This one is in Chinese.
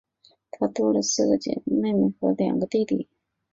她多了四个妹妹和两个弟弟